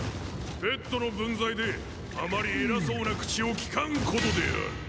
ペットの分際であまり偉そうな口を利かんことである。